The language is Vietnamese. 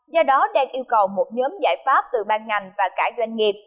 do đó đang yêu cầu một nhóm giải pháp từ ban ngành và cả doanh nghiệp